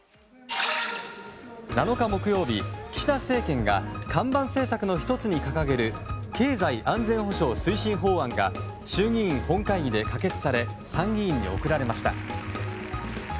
７日、木曜日、岸田政権が看板政策の１つに掲げる経済安全保障推進法案が衆議院本会議で可決され参議院に送られました。